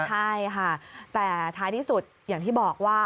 ใช่ค่ะแต่ท้ายที่สุดอย่างที่บอกว่า